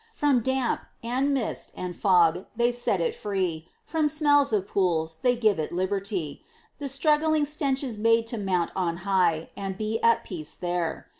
From damp, and mist, and fog, they set it free; From smells of pools, they give it liberty: The struggling stenches made to mount on high, And be at peace there.